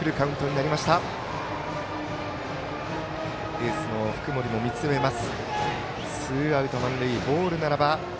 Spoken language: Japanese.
エースの福盛も見つめます。